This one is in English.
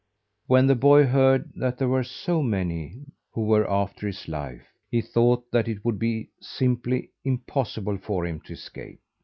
When the boy heard that there were so many who were after his life, he thought that it would be simply impossible for him to escape.